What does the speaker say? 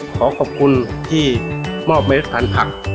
ขอขอบคุณที่มอบเม็ดพันธุ์